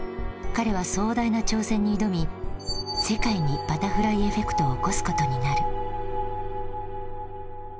彼は壮大な挑戦に挑み世界に「バタフライエフェクト」を起こすことになる。